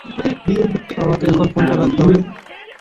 আমাকে এখন ফোনটা রাখতে হবে।